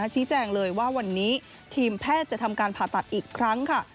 ชี้แจงเลยว่าวันนี้ทีมแพทย์จะทำการผ่าตัดอีกครั้งค่ะ